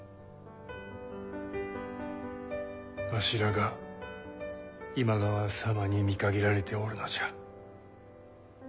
わしらが今川様に見限られておるのじゃ。